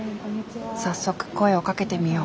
早速声をかけてみよう。